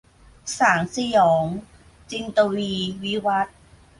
สางสยอง - จินตวีร์ วิวัธน์